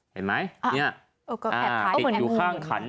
เห็นไหมเนี่ยอยู่ข้างขัน